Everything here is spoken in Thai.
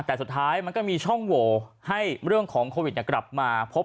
แต่สุดท้ายมันก็มีช่องโหวให้เรื่องของโควิดกลับมาพบ